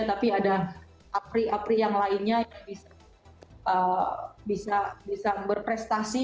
tapi ada apri apri yang lainnya yang bisa berprestasi